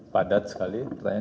padat sekali pertanyaan